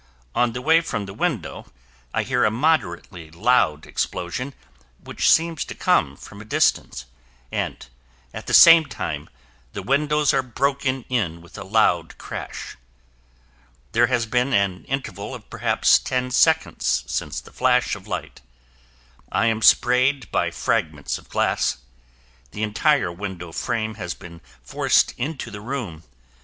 On the way from the window, I hear a moderately loud explosion which seems to come from a distance and, at the same time, the windows are broken in with a loud crash. There has been an interval of perhaps ten seconds since the flash of light. I am sprayed by fragments of glass. The entire window frame has been forced into the room.